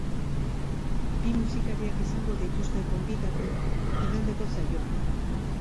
Bi musikariak izango dituzte gonbidatu igandeko saioan.